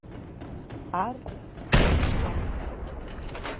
Арда ҿылҭуам.